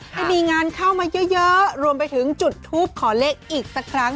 ให้มีงานเข้ามาเยอะรวมไปถึงจุดทูปขอเลขอีกสักครั้ง